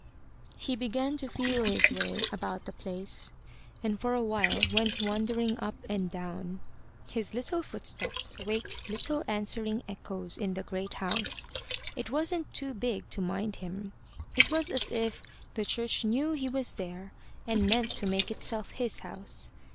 He began to feel his way about the place, and for a while went wandering up and down. His little footsteps waked little answering echoes in the great house. It wasn't too big to mind him. It was as if the church knew he was there, and meant to make itself his house.